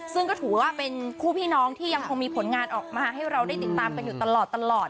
ซึ่งก็ถือว่าเป็นคู่พี่น้องที่ยังคงมีผลงานออกมาให้เราได้ติดตามกันอยู่ตลอด